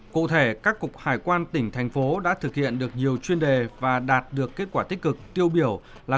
cụ thể các cục hải quan tỉnh thành phố đã thực hiện được nhiều chuyên đề và đạt được kết quả tích cực tiêu biểu là